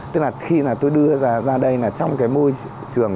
tức là khi mà tôi đưa ra đây là trong cái môi trường